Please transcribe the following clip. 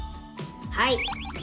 はい。